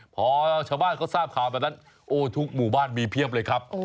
พอชาวบ้านเขาทราบข่าวแบบนั้นโอ้ทุกหมู่บ้านมีเพียบเลยครับ